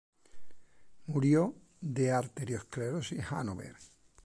Murió de arteriosclerosis en Hanover.